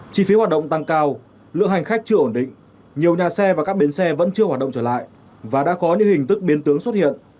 chi phí hoạt động tăng cao lượng hành khách chưa ổn định nhiều nhà xe và các bến xe vẫn chưa hoạt động trở lại và đã có những hình thức biến tướng xuất hiện